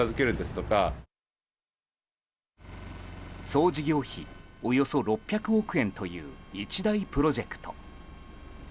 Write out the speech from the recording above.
総事業費およそ６００億円という、一大プロジェクト。